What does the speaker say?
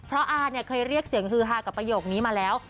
เพราะอาเนี่ยเคยเรียกเสียงฮือฮากับประโยคนี้มาแล้ว